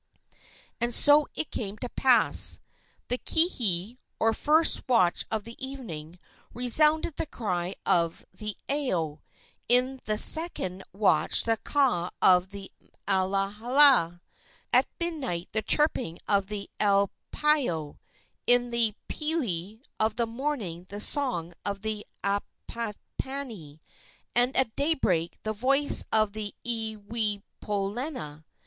And so it came to pass. In the kihi, or first watch of the evening, resounded the cry of the ao, in the second watch the caw of the alala, at midnight the chirruping of the elepaio, in the pili of the morning the song of the apapane, and at daybreak the voice of the iiwipolena.